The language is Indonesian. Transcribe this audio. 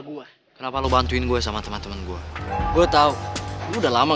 hah dia paling tau yang mukulin